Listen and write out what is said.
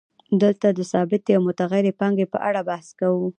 دلته د ثابتې او متغیرې پانګې په اړه بحث کوو